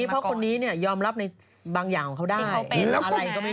เพราะคนนี้เนี่ยยอมรับในบางอย่างของเขาได้